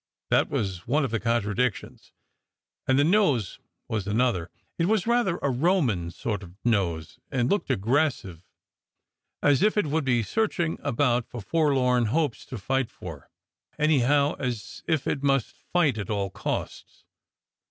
That was one of the contradictions, and the nose was another. It was rather a Roman sort of nose, and looked aggressive, as if it would be searching about for f orlorti hopes to fight for ; anyhow, as if it must fight at all costs.